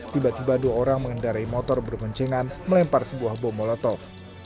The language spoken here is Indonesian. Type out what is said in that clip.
tiba tiba dua orang mengendarai motor berboncengan melempar sebuah bom molotov